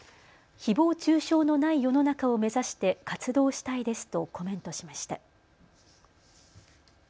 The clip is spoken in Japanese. ひぼう中傷のない世の中を目指して活動したいですとコメントしました。